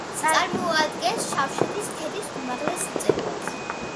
წარმოადგენს შავშეთის ქედის უმაღლეს მწვერვალს.